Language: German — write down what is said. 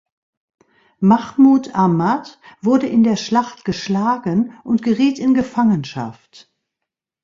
Mahmud Ahmad wurde in der Schlacht geschlagen und geriet in Gefangenschaft.